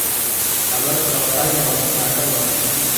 ئەمە جانتای مامۆستاکەمە.